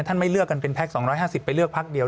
ไม่เลือกกันเป็นพัก๒๕๐ไปเลือกพักเดียว